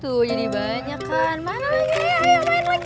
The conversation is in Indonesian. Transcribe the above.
tuh jadi banyak kan mana lagi ayo main lagi